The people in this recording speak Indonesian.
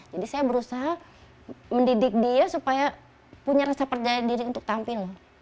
jadi saya berusaha mendidik dia supaya punya rasa percaya diri untuk tampil